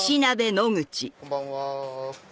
こんばんは。